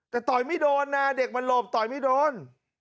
แต่ต่อยไม่โดนนะเด็กมันหลบต่อยไม่โดน